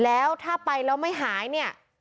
แล้วถ้าไปแล้วไม่หาย